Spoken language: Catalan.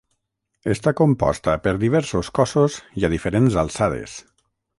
Està composta per diversos cossos i a diferents alçades.